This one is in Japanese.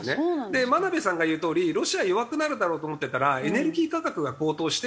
で眞鍋さんが言うとおりロシア弱くなるだろうと思ってたらエネルギー価格が高騰して。